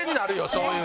そういうの。